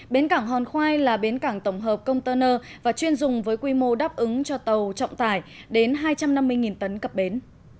bến cảng hòn khoai là bến cảng tổng hợp container và chuyên dùng với quy mô đáp ứng cho tàu trọng tải đến hai trăm năm mươi tấn cập bến